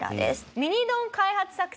ミニ丼開発作戦。